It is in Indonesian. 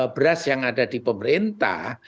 beras yang ada di pemerintah